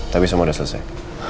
tapi semua udah selesai